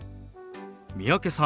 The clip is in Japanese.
三宅さん